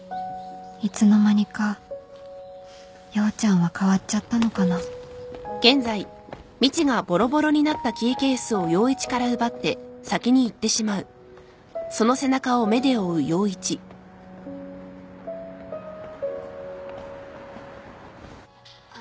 いつの間にか陽ちゃんは変わっちゃったのかなあ。